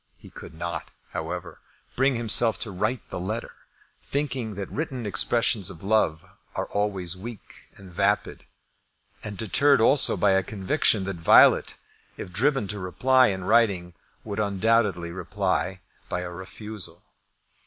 He could not, however, bring himself to write the letter, thinking that written expressions of love are always weak and vapid, and deterred also by a conviction that Violet, if driven to reply in writing, would undoubtedly reply by a refusal.